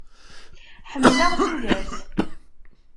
Ḥemmleɣ tudert.